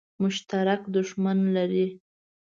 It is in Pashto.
مشترک دښمن لري.